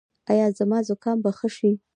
ایا زما زکام به ښه شي؟